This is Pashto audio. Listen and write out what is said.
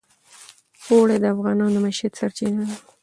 اوړي د افغانانو د معیشت سرچینه ده.